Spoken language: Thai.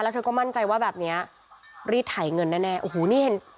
เธอก็มั่นใจว่าแบบเนี้ยรีดไถเงินแน่โอ้โหนี่เห็น